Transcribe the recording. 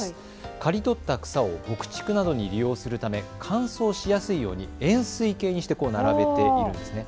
刈り取った草を牧畜などに利用するため乾燥しやすいように円すい形にして並べているんですね。